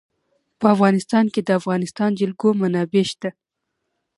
په افغانستان کې د د افغانستان جلکو منابع شته.